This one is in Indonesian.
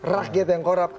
rakyat yang korab